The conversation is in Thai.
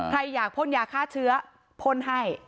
ใครอยากพ่นยาฆ่าเชื้อพ่นให้